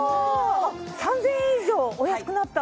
３０００円以上お安くなった？